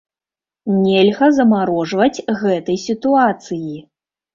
Нельга замарожваць гэтай сітуацыі.